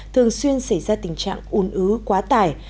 thường xuyên xảy ra tình trạng ủn ứ quá tải